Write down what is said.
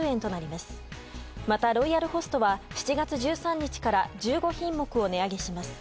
またロイヤルホストは７月１３日から１５品目を値上げします。